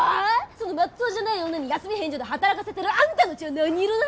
そのまっとうじゃない女に休み返上で働かせてるあんたの血は何色だ！？